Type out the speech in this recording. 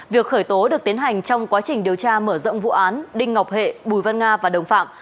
việc khởi tố được tiến hành trong quá trình điều tra mở rộng vụ án đinh ngọc hệ bùi văn nga và đồng phạm